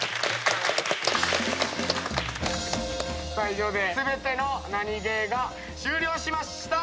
以上で全てのナニゲーが終了しました！